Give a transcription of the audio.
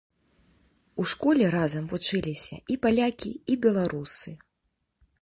У школе разам вучыліся і палякі, і беларусы.